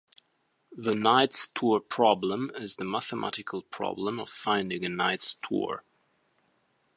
The knight's tour problem is the mathematical problem of finding a knight's tour.